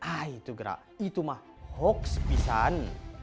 ah itu gerak itu mah hoax pisani